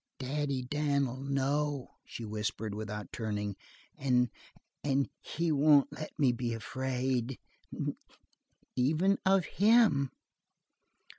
"Daddy Dan'll know," she whispered without turning. "And and he won't let me be afraid even of him!"